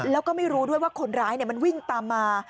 แล้วก็ไม่รู้ด้วยว่าคนร้ายมันวิ่งตามมา